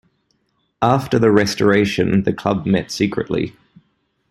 After the Restoration, the club met secretly.